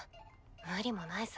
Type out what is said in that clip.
無理もないさ。